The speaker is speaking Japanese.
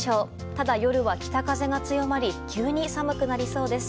ただ、夜は北風が強まり急に寒くなりそうです。